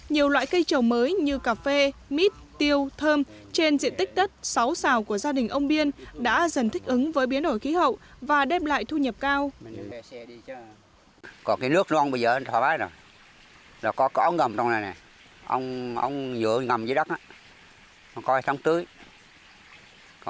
nhiều loại cây trồng mới như cà phê mít tiêu thơm trên diện tích đất sáu xào của gia đình ông biên đã dần thích ứng với biến đổi khí hậu và đem lại thu nhập cao